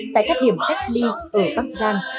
tại các điểm cách ly ở bắc giang